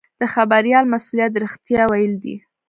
د خبریال مسوولیت رښتیا ویل دي.